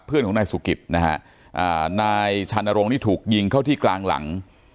เพื่อนของนายสุกิตนะฮะนายชานรงค์นี่ถูกยิงเข้าที่กลางหลัง